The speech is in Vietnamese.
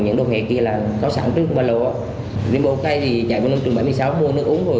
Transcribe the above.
những đồ nghề kia là có sản phức có lọ gây bốc hài thì chạy vô pulp paris ở ngôi yếu trú